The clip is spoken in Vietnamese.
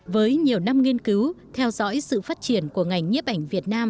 với nhiều năm nghiên cứu theo dõi sự phát triển của ngành nhiếp ảnh việt nam